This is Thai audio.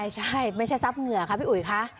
ใช่ไม่ใช่ทรัพย์เหงื่อค่ะพี่อุ๋ยค่ะ